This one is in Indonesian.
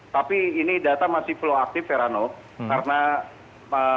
tapi ini data masih flow aktif verano karena berdasarkan data sementara